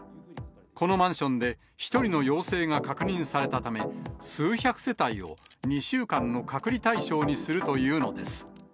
このマンションで１人の陽性が確認されたため、数百世帯を２週間の隔離対象にするというのです。